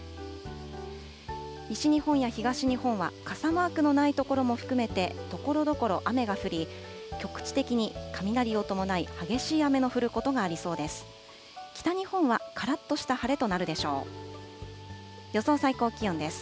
西日本や東日本は傘マークのない所も含めてところどころ雨が降り、局地的に雷を伴い、激しい雨の降ることがありそうです。